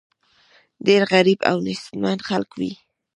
ډېر غریب او نېستمن خلک وي.